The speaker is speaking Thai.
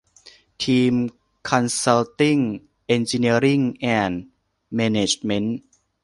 ทีม คอนซัลติ้ง เอนจิเนียริ่ง แอนด์ แมเนจเมนท์